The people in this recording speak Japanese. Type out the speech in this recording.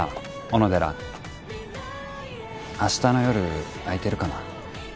小野寺明日の夜空いてるかな？